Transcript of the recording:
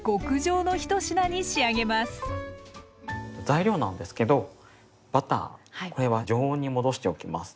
材料なんですけどバターこれは常温に戻しておきます。